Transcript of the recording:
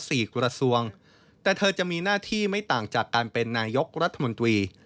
กระทรวงแต่เธอจะมีหน้าที่ไม่ต่างจากการเป็นนายกรัฐมนตรี